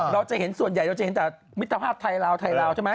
เราจะเห็นส่วนใหญ่เราจะเห็นแต่มิตรภาพไทยลาวไทยลาวใช่ไหม